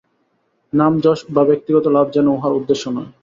নাম যশ বা ব্যক্তিগত লাভ যেন উহার উদ্দেশ্য না হয়।